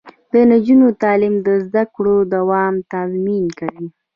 د نجونو تعلیم د زدکړو دوام تضمین کوي.